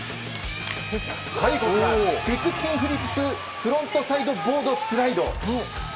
こちら、ビッグスピンフリップフロントサイドボードスライド。